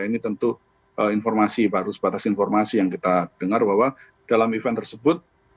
ini tentu informasi baru sebatas informasi yang kita dengar bahwa dalam event tersebut